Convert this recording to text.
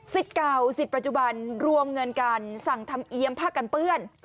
เก่าสิทธิ์ปัจจุบันรวมเงินกันสั่งทำเอียมผ้ากันเปื้อน